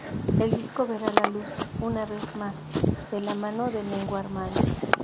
El disco verá la luz, una vez más, de la mano de Lengua Armada.